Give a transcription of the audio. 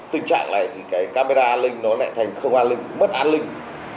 tình trạng này thì cái camera an ninh nó lại thành không an ninh mất an ninh